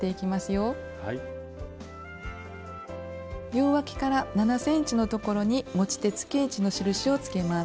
両わきから７ｃｍのところに持ち手つけ位置の印をつけます。